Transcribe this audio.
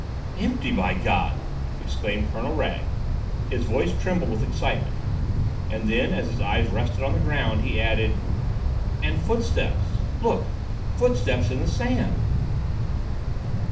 "Empty, by God!" exclaimed Colonel Wragge. His voice trembled with excitement. And then, as his eyes rested on the ground, he added, "And footsteps—look—footsteps in the sand!"